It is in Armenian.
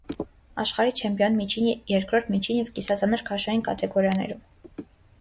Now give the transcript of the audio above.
Աշխարհի չեմպիոն միջին, երկրորդ միջին և կիսածանր քաշային կատեգորիաներում։